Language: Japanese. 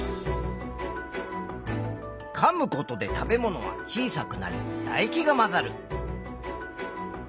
かむことで食べ物は小さくなりだ液が混ざる。